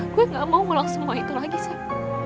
gue gak mau ngulang semua itu lagi chef